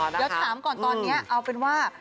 อ๋อนะคะอยากถามก่อนตอนนี้เอาเป็นว่า